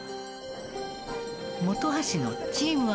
本橋のチーム